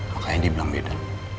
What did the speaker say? makanya dibilang beda